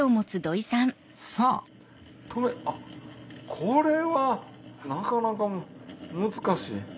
さぁあっこれはなかなか難しい。